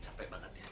capek banget ya